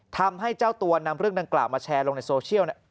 ทำให้เจ้าตัวนำเรื่องดังกล่าวมาแชร์ลงในโซเชียล